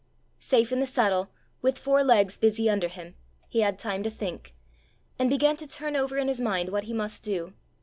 Safe in the saddle, with four legs busy under him, he had time to think, and began to turn over in his mind what he must do.